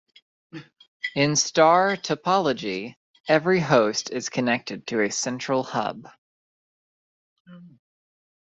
In star topology, every host is connected to a central hub.